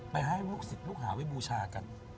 ให้ลูกศิษย์ลูกหาไว้บูชากัน